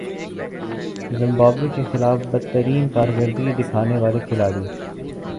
Zimbabwe کے خلاف بدترین کارکردگی دکھانے والے کھلاڑی